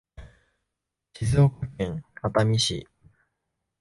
静岡県熱海市